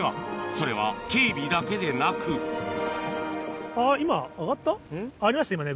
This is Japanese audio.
それは警備だけでなく上がりましたね